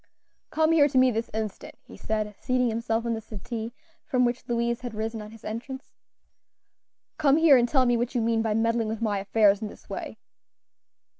"Come here to me this instant," he said, seating himself on the settee, from which Louise had risen on his entrance. "Come here and tell me what you mean by meddling with my affairs in this way."